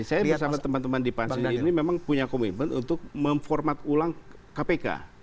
saya bersama teman teman di pansel ini memang punya komitmen untuk memformat ulang kpk